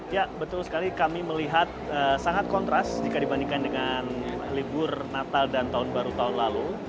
ya betul sekali kami melihat sangat kontras jika dibandingkan dengan libur natal dan tahun baru tahun lalu